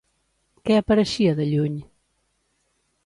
Què apareixia de lluny?